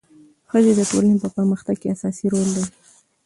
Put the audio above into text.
ښځې د ټولنې په پرمختګ کې اساسي رول لري.